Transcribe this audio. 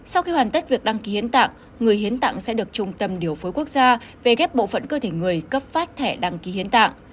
sau khi hoàn tất việc đăng ký hiến tạng người hiến tặng sẽ được trung tâm điều phối quốc gia về ghép bộ phận cơ thể người cấp phát thẻ đăng ký hiến tạng